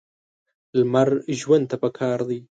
لمر ژوند ته پکار دی.